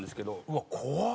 うわっ怖っ！